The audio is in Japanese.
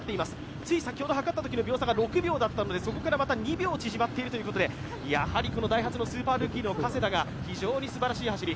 つい先ほどはかったときの秒差が６秒だったので、そこからまた２秒縮まっているということで、ダイハツのスーパールーキー加世田が非常にすばらしい走り。